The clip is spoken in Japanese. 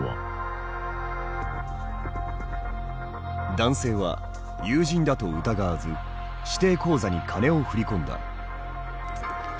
男性は友人だと疑わず指定口座に金を振り込んだ。